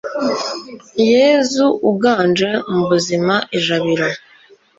yezu uganje mu buzima i jabiro